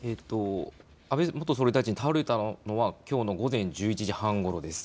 安倍元総理大臣、倒れたのはきょうの午前１１時半ごろです。